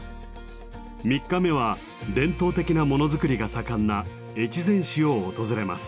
３日目は伝統的なものづくりが盛んな越前市を訪れます。